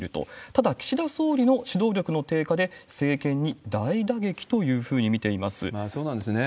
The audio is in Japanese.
ただ、岸田総理の指導力の低下で、政権に大打撃というふうに見ていそうなんですね。